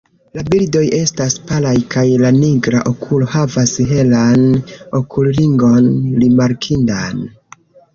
La bridoj estas palaj kaj la nigra okulo havas helan okulringon rimarkindan.